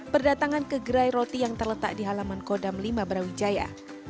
berdatangan ke gerai roti yang terletak di halaman kodam lima brawijaya